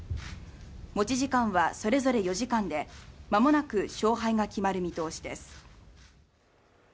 持ち時間はそれぞれ４時間で間もなく勝敗が決まる見通しです。